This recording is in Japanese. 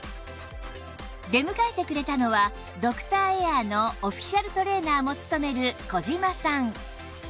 出迎えてくれたのはドクターエアのオフィシャルトレーナーも務める小島さん